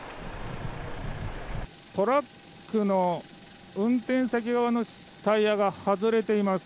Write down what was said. トラックの運転席側のタイヤが外れています。